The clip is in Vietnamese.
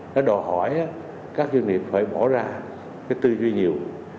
nó đòi hỏi các doanh nghiệp phải bỏ ra cái tư duy nhiều